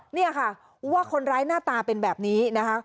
นี่ค่ะว่าคนร้ายหน้าตาเป็นแบบนี้นะคะ